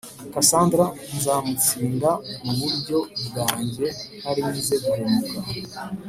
Kassandra nzamutsinda mu buryo bwanjye ntarinze guhemuka